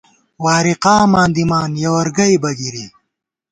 وارِی قاماں دِمان ، یہ وَر گئیبہ گِری